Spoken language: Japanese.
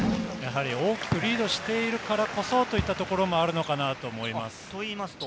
大きくリードしているからこそといったところもあるのかなと思います。